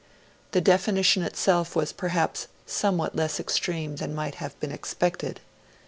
The definition itself was perhaps somewhat less extreme than might have been expected.